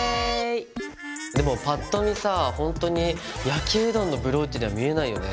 でもぱっと見さほんとに焼きうどんのブローチには見えないよね。